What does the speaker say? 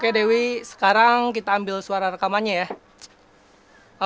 oke dewi sekarang kita ambil suara rekamannya ya